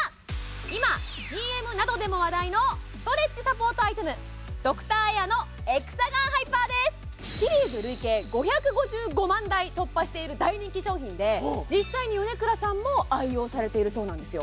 今ＣＭなどでも話題のストレッチサポートアイテムしている大人気商品で実際に米倉さんも愛用されているそうなんですよ